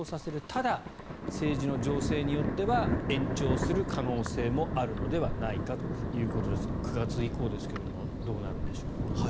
ただ、政治の情勢によっては延長する可能性もあるのではないかということですけども９月以降ですがどうなるんでしょうか。